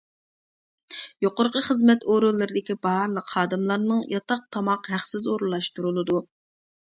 يۇقىرىقى خىزمەت ئورۇنلىرىدىكى بارلىق خادىملارنىڭ ياتاق تاماق ھەقسىز ئورۇنلاشتۇرۇلىدۇ.